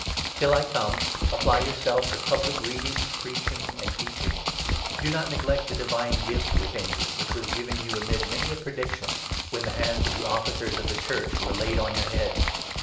Till I come, apply 13 yourself to public reading, preaching, and teaching. Do not 14 neglect the divine gift within you, which was given you, amid many a prediction, when the hands of the Officers of the Church were laid on your head.